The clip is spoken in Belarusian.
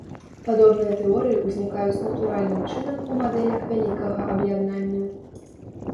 Падобныя тэорыі ўзнікаюць натуральным чынам у мадэлях вялікага аб'яднання.